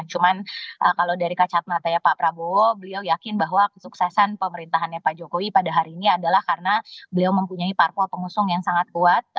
cuman kalau dari kacamata ya pak prabowo beliau yakin bahwa kesuksesan pemerintahannya pak jokowi pada hari ini adalah karena beliau mempunyai parpol pengusung yang sangat kuat